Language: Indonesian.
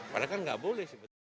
padahal kan gak boleh